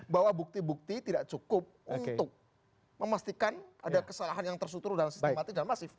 bahwa bukti bukti tidak cukup untuk memastikan ada kesalahan yang terstruktur dalam sistematis dan masif